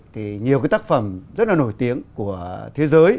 thì nhiều cái tác phẩm rất là nổi tiếng của thế giới